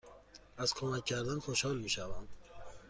از کمک کردن خوشحال می شوم.